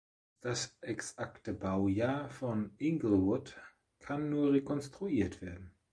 Das exakte Baujahr von Inglewood kann nur rekonstruiert werden.